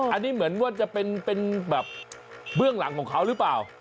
อันนี้เหมือนว่าจะเป็นแบบเบื้องหลังของเขาหรือเปล่า